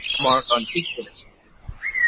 Morton ঠিক বলেছে।